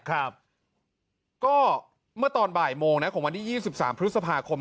ครับก็เมื่อตอนบ่ายโมงนะของวันที่๒๓พฤษภาคม